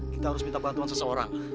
kita harus minta bantuan seseorang